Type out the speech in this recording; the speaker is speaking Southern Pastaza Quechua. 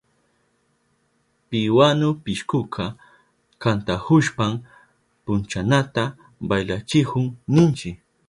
Piwanu pishkuka kantahushpan punchanata baylachihun ninchi.